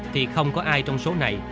thì không có ai trong số này